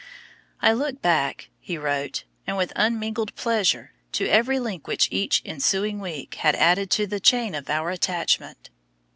"I look back," he wrote, "and with unmingled pleasure, to every link which each ensuing week has added to the chain of our attachment.